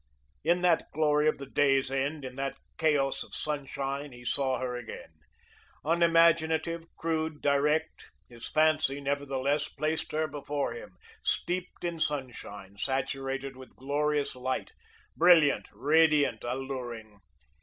In that glory of the day's end, in that chaos of sunshine, he saw her again. Unimaginative, crude, direct, his fancy, nevertheless, placed her before him, steeped in sunshine, saturated with glorious light, brilliant, radiant, alluring.